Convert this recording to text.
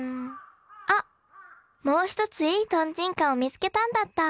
あっもう一ついいトンチンカンを見つけたんだった！